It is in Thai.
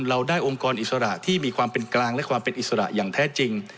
เราได้องค์กรอิสระที่มีความเป็นกลางและความเป็นอิสระอย่างแท้จริง